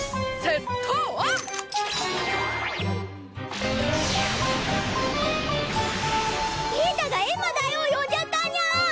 ケータがエンマ大王呼んじゃったニャン！